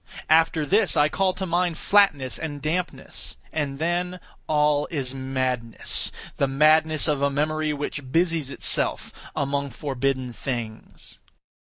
After this I call to mind flatness and dampness; and then all is madness—the madness of a memory which busies itself among forbidden things.